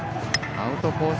アウトコース